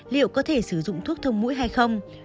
liệu có thể sử dụng thuốc thông mũi hay không